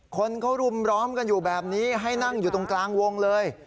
คนเขารุมร้อมกันอยู่แบบนี้ให้นั่งอยู่ตรงกลางวงเลย